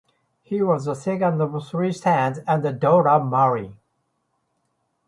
He was the second of three sons and a daughter Marion.